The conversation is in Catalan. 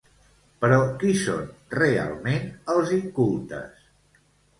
Però qui són, realment, els incultes?